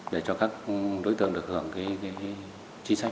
để cho các đối tượng được hưởng cái chính sách bồi thường này